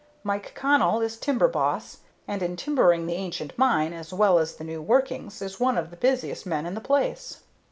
Mike Connell is timber boss, and, in timbering the ancient mine, as well as the new workings, is one of the busiest men in the place.